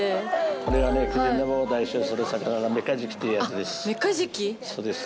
これは気仙沼を代表する魚でメカジキっていうやつです。